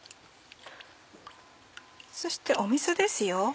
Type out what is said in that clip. そして水ですよ。